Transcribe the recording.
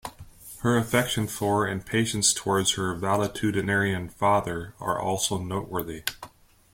Her affection for and patience towards her valetudinarian father are also noteworthy.